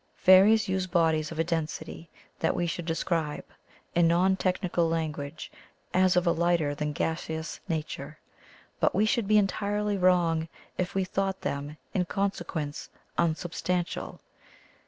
"Fairies use bodies of a density that we should describe, in non technical language, as of a lighter than gaseous nature, but we should be entirely wrong if we thought them in consequence unsubstantial.